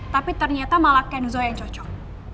tapi ternyata malah kenzo yang cocok